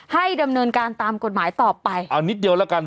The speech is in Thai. ให้ดำเนินการตามกฎหมายต่อไปเอานิดเดียวแล้วกัน